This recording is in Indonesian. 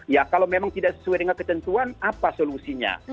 ya kalau memang tidak sesuai dengan ketentuan apa solusinya